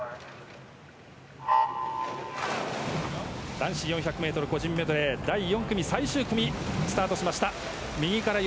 男子４００ｍ個人メドレー第４組、最終組がスタートしました。